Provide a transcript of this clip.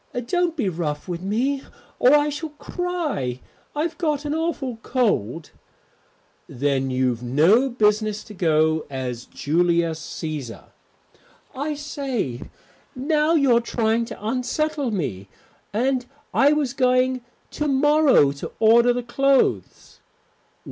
"Don't be rough with me or I shall cry. I've got an awful cold." "Then you've no business to go as Julius Cæsar." "I say, now you're trying to unsettle me. And I was going to morrow to order the clothes."